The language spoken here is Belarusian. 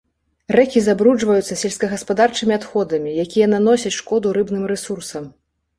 Рэкі забруджваюцца сельскагаспадарчымі адходамі, якія наносяць шкоду рыбным рэсурсам.